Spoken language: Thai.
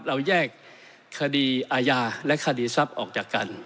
เราแยกคดีอาญาและคดีทรัพย์ออกจากกัน